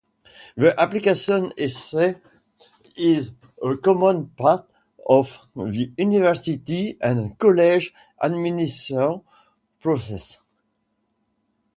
The application essay is a common part of the university and college admissions process.